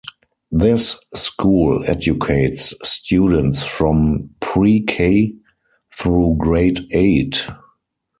This school educates students from pre-k through grade eight.